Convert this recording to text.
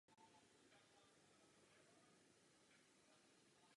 Na kytaru se začal učit ve svých třinácti letech.